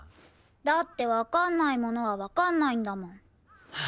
だってわかんないものはわかんないんだもん。